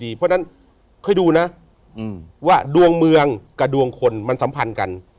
เพราะฉะนั้นค่อยดูนะว่าดวงเมืองกับดวงคนมันสัมพันธ์กัน